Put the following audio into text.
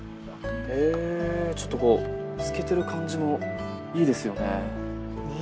えちょっとこう透けてる感じもいいですよね。ね！